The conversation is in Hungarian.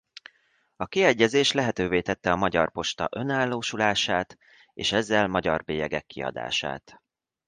A kiegyezés lehetővé tette a Magyar Posta önállósulását és ezzel magyar bélyegek kiadását.